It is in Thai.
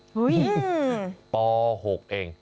ต่อ๖เอง